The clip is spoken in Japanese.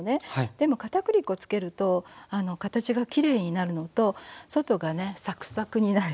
でも片栗粉つけると形がきれいになるのと外がねサクサクになる。